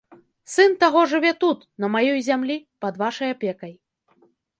Сын таго жыве тут, на маёй зямлі, пад вашай апекай.